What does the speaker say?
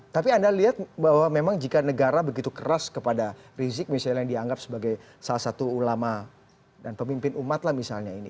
tapi anda lihat bahwa memang jika negara begitu keras kepada rizik misalnya yang dianggap sebagai salah satu ulama dan pemimpin umat lah misalnya ini